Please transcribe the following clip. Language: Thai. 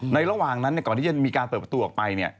ในระหว่างนั้นเนี่ยก่อนที่จะมีการเปิดประตูออกไปเนี่ย